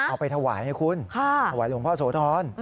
เอาไปถวายให้คุณถวายหลวงพ่อโสธร